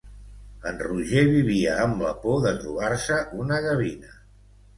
En Roger vivia amb la por de trobar-se una gavina.